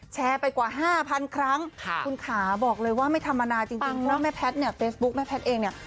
แชร์ไปกว่า๕๐๐๐ครั้งคุณขาบอกเลยว่าไม่ธรรมดาจริงเพราะว่าแม่แพทย์เนี่ยเฟซบุ๊คแม่แพทย์เองเนี่ย